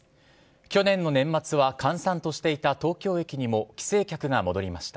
去年の年末は閑散としていた東京駅にも帰省客が戻りました。